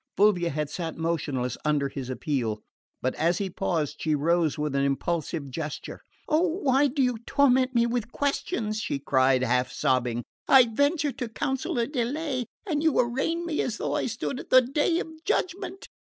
Fulvia had sat motionless under his appeal; but as he paused she rose with an impulsive gesture. "Oh, why do you torment me with questions?" she cried, half sobbing. "I venture to counsel a delay, and you arraign me as though I stood at the day of judgment!"